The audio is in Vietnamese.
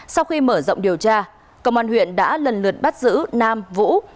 sau khi mở rộng điều tra công an huyện đã lần lượt bắt giữ nam vũ